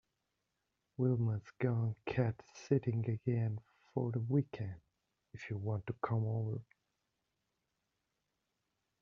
Wilma’s gone cat sitting again for the weekend if you want to come over.